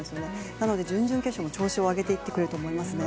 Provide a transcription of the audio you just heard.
なので準々決勝も調子を上げていってくれると思いますね。